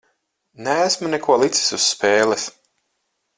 Neesmu neko licis uz spēles.